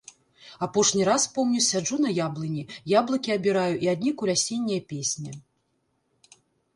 Апошні раз помню сяджу на яблыні, яблыкі абіраю і аднекуль асенняя песня.